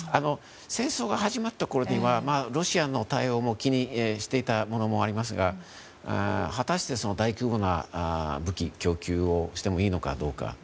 戦争が始まったころにはロシアの対応も気にしていたものもありますが果たしてその大規模な武器供給をしてもいいのかどうか。